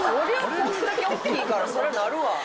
これだけ大きいから、そうなるわ。